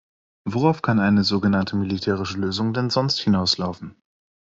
Worauf kann eine so genannte militärische Lösung denn sonst hinauslaufen?